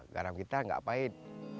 garam kita tidak pahit